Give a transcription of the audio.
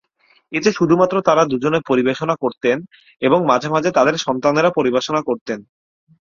এতে শুধুমাত্র তারা দুজনে পরিবেশনা করতেন এবং মাঝে মাঝে তাদের সন্তানেরা পরিবেশনা করতেন।